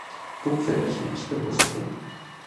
Puc fer res més per vostè.